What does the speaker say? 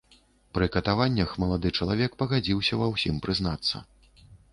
Пры катаваннях малады чалавек пагадзіўся ва ўсім прызнацца.